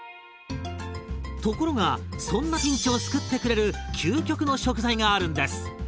ところがそんなピンチを救ってくれる究極の食材があるんです。